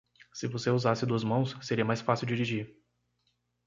Se você usasse duas mãos, seria mais fácil dirigir.